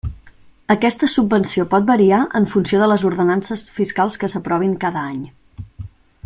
Aquesta subvenció pot variar en funció de les ordenances fiscals que s'aprovin cada any.